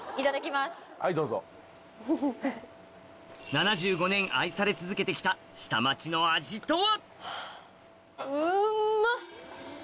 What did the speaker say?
７５年愛され続けてきた下町の味とは？